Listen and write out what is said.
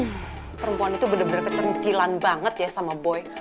hmm perempuan itu bener bener kecantilan banget ya sama boy